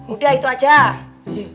udah itu aja